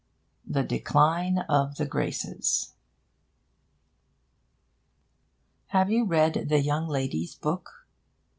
THE DECLINE OF THE GRACES Have you read The Young Lady's Book?